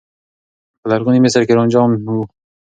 په لرغوني مصر کې رانجه عام و.